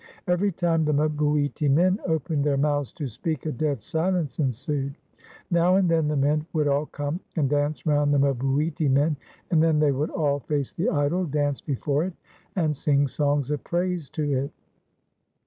Ever>' time the mbuiti men opened their mouths to speak a dead sUence ensued. Now and then the men would aU come and dance round the mbuiti men, and then they would all 407 WESTERN AND CENTRAL AFRICA face the idol, dance before it, and sing songs of praise to it.